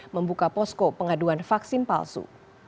membuka posko pengaduan vaksin palsu